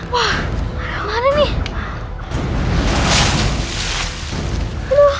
burung gagaknya jatuh